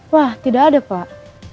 wah tidak ada pak